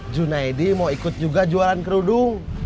junaidi mau ikut juga jualan kerudung